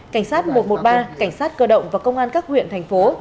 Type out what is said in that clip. cảnh sát một trăm một mươi ba cảnh sát cơ động và công an các huyện thành phố